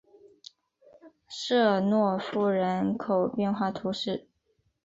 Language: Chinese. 舍诺夫人口变化图示